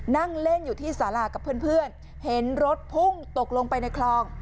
นั่งเล่นอยู่ที่สารากับเพื่อนเห็นรถพุ่งตกลงไปในคลอง